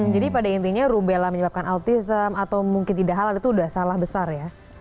jadi pada intinya rubella menyebabkan autism atau mungkin tidak hal itu sudah salah besar ya